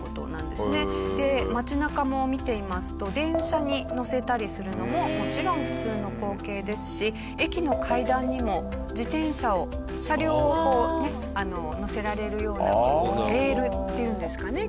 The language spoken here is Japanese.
街中も見ていますと電車に載せたりするのももちろん普通の光景ですし駅の階段にも自転車を車両をこう載せられるようなレールっていうんですかね？